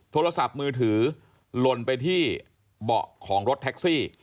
โทรศัพท์มือถือลนไปที่เบาะของรถแท็กซี่